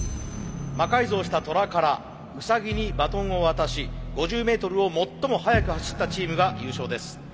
魔改造したトラからウサギにバトンを渡し５０メートルを最も速く走ったチームが優勝です。